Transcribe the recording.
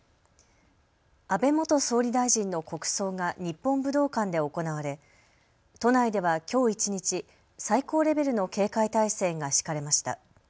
安倍元総理大臣の国葬が日本武道館で行われ都内ではきょう一日最高レベルの警戒態勢が敷かれました。